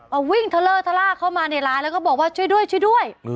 เอาวิ่งทะเลอร์ทะล่าเข้ามาในร้านแล้วก็บอกว่าช่วยด้วยช่วยด้วย